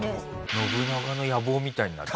『信長の野望』みたいになってる。